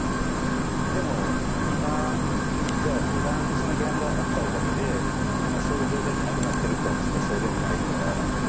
でも今その批判があったおかげで今そういう状態じゃなくなってるかっていったらそうでもないから。